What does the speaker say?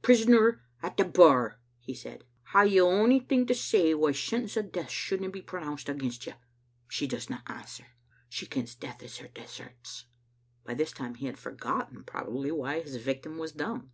"Prisoner at the bar," he said, "hae ye onything to say why sentence of death shouldna be pronounced against you? She doesna answer. She kens death is her deserts." By this time he had forgotten probably why his vic tim was dumb.